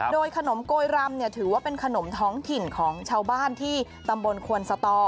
โดยขนมโกยรำถือว่าเป็นขนมท้องถิ่นของชาวบ้านที่ตำบลควนสตอ